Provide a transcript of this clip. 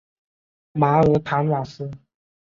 马尔坦瓦斯。